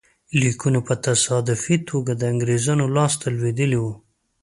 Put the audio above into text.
لیکونه په تصادفي توګه د انګرېزانو لاسته لوېدلي وو.